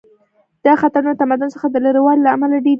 دا خطرونه د تمدن څخه د لرې والي له امله ډیریږي